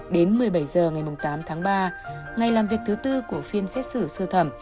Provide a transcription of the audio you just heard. đến một mươi bảy h ngày tám tháng ba ngày làm việc thứ tư của phiên xét xử sơ thẩm